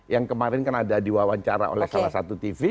yang kemarin kan ada diwawancara oleh salah satu tv